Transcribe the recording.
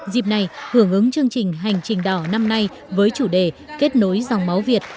dịp này hưởng ứng chương trình hành trình đỏ năm nay với chủ đề kết nối dòng máu việt